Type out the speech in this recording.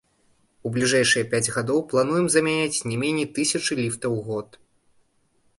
У бліжэйшыя пяць гадоў плануем замяняць не меней тысячы ліфтаў у год.